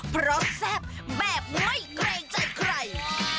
เพราะแซ่บแบบไม่เกรงใจใคร